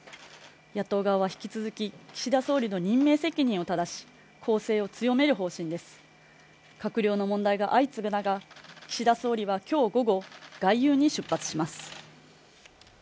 野党側は引き続き岸田総理の任命責任をただし攻勢を強める方針です閣僚の問題が相次ぐ中岸田総理は今日午後外遊に出発します